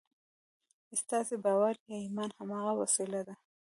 ستاسې باور يا ايمان هماغه وسيله ده.